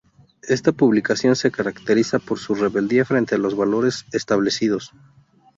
Esta publicación se caracteriza por su rebeldía frente a los valores establecidos.